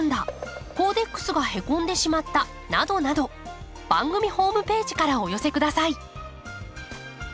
などなど番組ホームページからお寄せください。